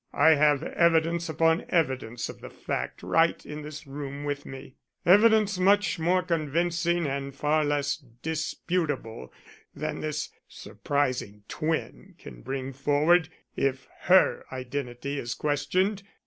I have evidence upon evidence of the fact right in this room with me; evidence much more convincing and far less disputable than this surprising twin can bring forward if her identity is questioned.